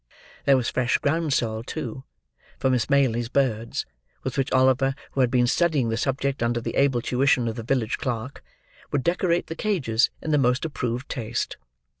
There was fresh groundsel, too, for Miss Maylie's birds, with which Oliver, who had been studying the subject under the able tuition of the village clerk, would decorate the cages, in the most approved taste.